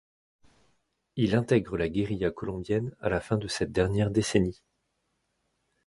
Il intègre la guérilla colombienne à la fin de cette dernière décennie.